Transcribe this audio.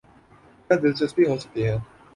کیا دلچسپی ہوسکتی ہے۔